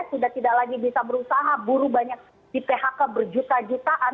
sudah tidak lagi bisa berusaha buruh banyak di phk berjuta jutaan